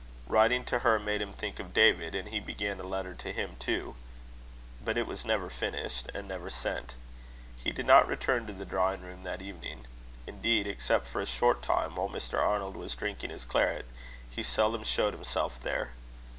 Writing to her made him think of David, and he began a letter to him too; but it was never finished, and never sent. He did not return to the drawing room that evening. Indeed, except for a short time, while Mr. Arnold was drinking his claret, he seldom showed himself there.